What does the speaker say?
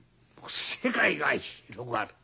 世界が広がる。